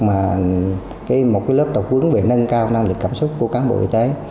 mà một lớp tập quấn về nâng cao năng lực cảm xúc của cán bộ y tế